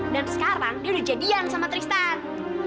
dan sekarang dia udah jadian sama tristan